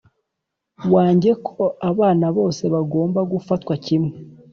wange ko abana bose bagomba gufatwa kimwe.